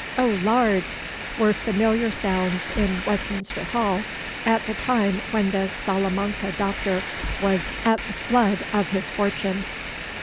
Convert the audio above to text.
Oh Lard!' were familiar sounds in Westminster Hall at the time when the Salamanca doctor was at the flood of his fortune.